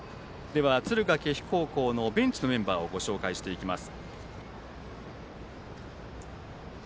敦賀気比高校のベンチのメンバーご紹介していきます。